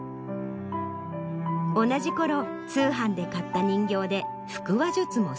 同じころ通販で買った人形で腹話術もスタート。